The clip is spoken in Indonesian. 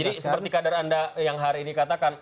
jadi seperti kader anda yang hari ini katakan